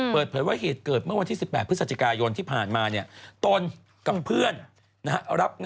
มีอิทธิพลพอสมควร